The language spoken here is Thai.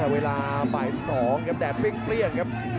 เวลาบ่าย๒ครับแดดเปรี้ยงครับ